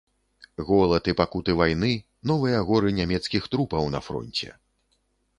Голад і пакуты вайны, новыя горы нямецкіх трупаў на фронце!